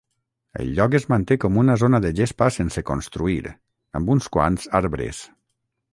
El lloc es manté com una zona de gespa sense construir, amb uns quants arbres.